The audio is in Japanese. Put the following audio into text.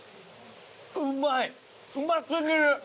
うまいうま過ぎる！